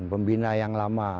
pembina yang lama